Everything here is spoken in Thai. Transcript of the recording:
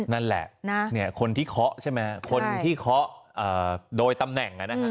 นั่นแหละคนที่เคาะใช่ไหมคนที่เคาะโดยตำแหน่ง